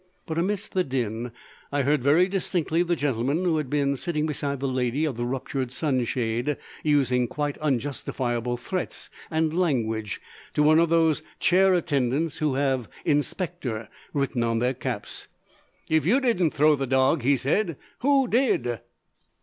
But amidst the din I heard very distinctly the gentleman who had been sitting beside the lady of the ruptured sunshade using quite unjustifiable threats and language to one of those chair attendants who have "Inspector" written on their caps. "If you didn't throw the dog," he said, "who DID?"